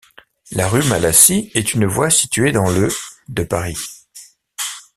La rue Malassis est une voie située dans le de Paris.